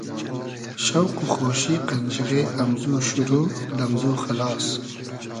شۆق و خۉشی قئنجیغې امزو شورۉ, دئمزو خئلاس